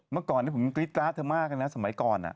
เมื่อก่อนผมกรี๊ดกราดเธอมากนะสมัยก่อน